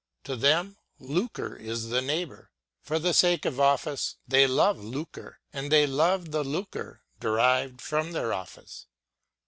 To them lucre is the neighbor. For the sake of office they love lucre, and they love the lucre derived from their office.